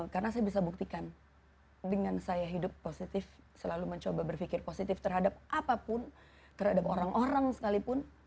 karena saya bisa buktikan dengan saya hidup positif selalu mencoba berpikir positif terhadap apapun terhadap orang orang sekalipun